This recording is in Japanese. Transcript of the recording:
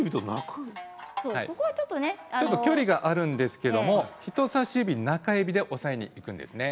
ちょっと距離があるんですが人さし指と中指で押さえにいくんですね。